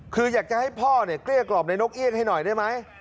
คืออยากจะให้พ่อเนี่ยเกลี้ยกล่อมในนกเอี่ยงให้หน่อยได้ไหม